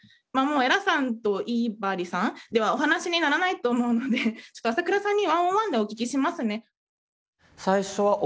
江良さんと井張さんではお話にならないと思うのでちょっと朝倉さんに１ｏｎ１でお聞きしますね。